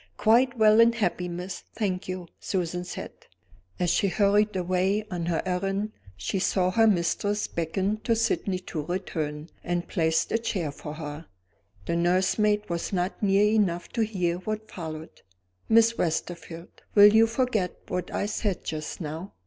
"Quite well and happy, miss, thank you," Susan said. As she hurried away on her errand, she saw her mistress beckon to Sydney to return, and place a chair for her. The nursemaid was not near enough to hear what followed. "Miss Westerfield, will you forget what I said just now?"